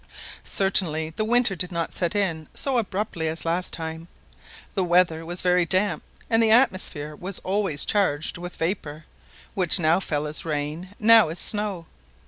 Certainly the winter did not set in so abruptly as last time. The weather was very damp, and the atmosphere was always charged with vapour, which fell now as rain now as snow.